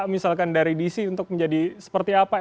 misalkan dari dc untuk menjadi seperti apa